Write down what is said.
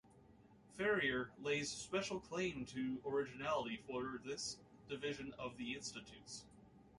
Ferrier lays special claim to originality for this division of the Institutes.